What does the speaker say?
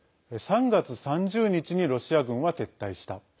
３月３０日にロシア軍は撤退した。